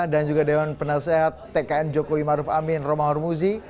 dan juga dewan penasehat tkn jokowi maruf amin romah hormuzi